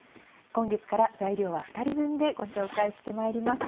今月から材料は２人分でご紹介してまいります。